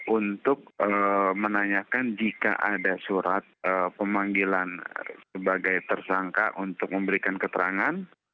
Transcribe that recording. untuk menanyakan jika ada surat pemanggilan sebagai tersangka untuk memberikan keterangan